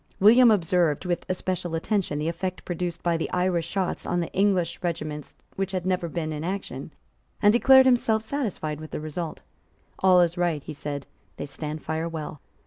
William observed with especial attention the effect produced by the Irish shots on the English regiments which had never been in action, and declared himself satisfied with the result. "All is right," he said; "they stand fire well."